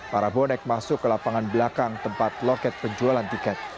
para bonek masuk ke lapangan belakang tempat loket penjualan tiket